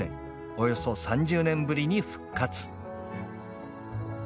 およそ３０年ぶりに復活。